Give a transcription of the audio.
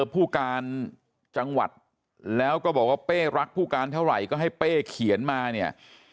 ผู้การจังหวัดแล้วก็บอกว่าเป้รักผู้การเท่าไหร่ก็ให้เป้เขียนมาเนี่ย